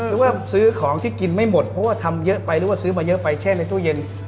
หรือว่าซื้อของที่กินไม่หมดเพราะว่าทำเยอะไปหรือว่าซื้อมาเยอะไปแช่ในตู้เย็น